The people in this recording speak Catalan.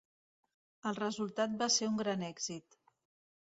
El resultat va ser un gran èxit.